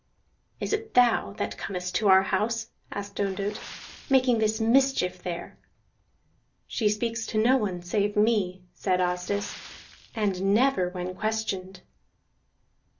"Is it thou that comest to our house," asked Ondott, "making this mischief there?" "She speaks to no one save me," said Asdis, "and never when questioned."